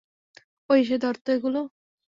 ওই, এসে ধর তো এগুলো।